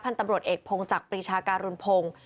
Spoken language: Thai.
พันธุ์ตำรวจเอกพงศ์จากปริชาการุณพงศ์